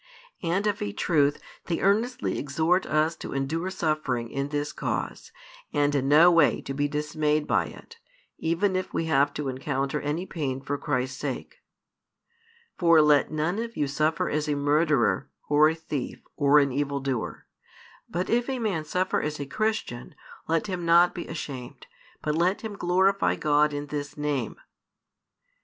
And of a truth they earnestly exhort us to endure suffering in this cause, and in no way to be dismayed by it, even if we have to encounter any pain for Christ's sake. For let none of you suffer as a murderer, or a thief, or an evil doer: but if a man suffer as a Christian let him not be ashamed; but let him glorify God in this Name.